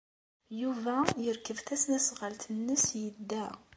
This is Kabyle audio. Yuba yerkeb tasnasɣalt-nnes, yedda.